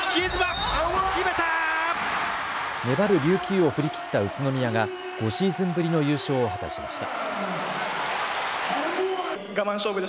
粘る琉球を振り切った宇都宮が５シーズンぶりの優勝を果たしました。